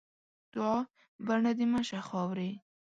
دوعا؛ بڼه دې مه شه خاوري.